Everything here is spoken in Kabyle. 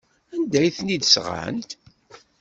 Anda ay ten-id-sɣant?